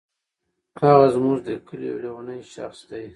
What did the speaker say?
هغه زمونږ دي کلې یو لیونی شخص دی.